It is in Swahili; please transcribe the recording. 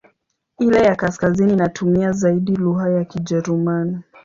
Ile ya kaskazini inatumia zaidi lugha ya Kijerumani.